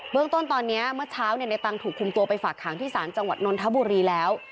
เรื่องต้นตอนนี้เมื่อเช้าในตังถูกคุมตัวไปฝากหางที่ศาลจังหวัดนนทบุรีแล้ว